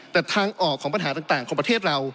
แต่ทางออกของปัญหาต่างของประเทศเรา